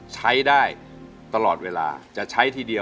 มูลค่า๔๐๐๐๐บาท